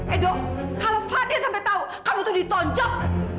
edo kalau fadli sampai tahu kamu tuh ditonjok